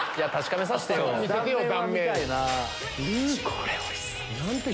これおいしそう！